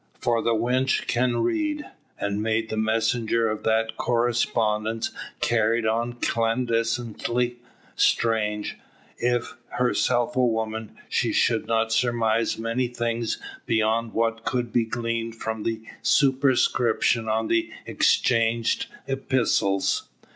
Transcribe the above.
For the wench can read; and made the messenger of that correspondence carried on clandestinely, strange, if, herself a woman, she should not surmise many things beyond what could be gleaned from the superscription on the exchanged epistles.